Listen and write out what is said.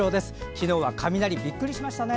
昨日は雷、びっくりしましたね。